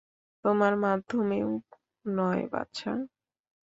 তোমার মাধ্যমেও নয়, বাছা।